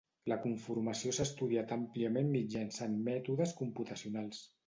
La conformació s'ha estudiat àmpliament mitjançant mètodes computacionals.